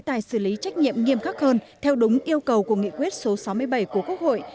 tài xử lý trách nhiệm nghiêm khắc hơn theo đúng yêu cầu của nghị quyết số sáu mươi bảy của quốc hội